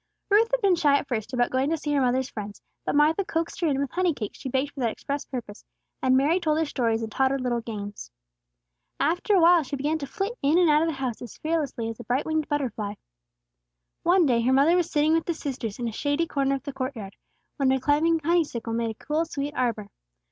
Ruth had been shy at first about going to see her mother's friends; but Martha coaxed her in with honey cakes she baked for that express purpose, and Mary told her stories and taught her little games. After a while she began to flit in and out of the house as fearlessly as a bright winged butterfly. One day her mother was sitting with the sisters in a shady corner of their court yard, where a climbing honeysuckle made a cool sweet arbor.